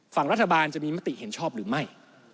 ฝั่งรัฐบาลจะมีมติเห็นชอบหรือไม่